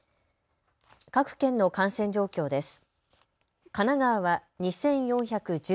各県の感染状況です。